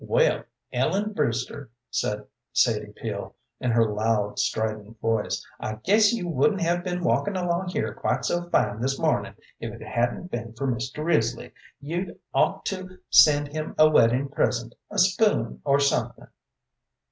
"Well, Ellen Brewster," said Sadie Peel, in her loud, strident voice, "I guess you wouldn't have been walkin' along here quite so fine this mornin' if it hadn't been for Mr. Risley. You'd ought to send him a weddin' present a spoon, or something."